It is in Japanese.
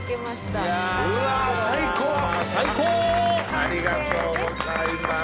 ありがとうございます。